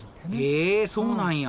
へえそうなんや。